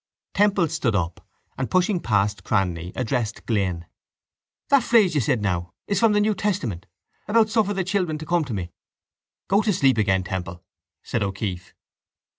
Temple stood up and, pushing past Cranly, addressed Glynn: —That phrase you said now, he said, is from the new testament about suffer the children to come to me. —Go to sleep again, Temple, said O'Keeffe.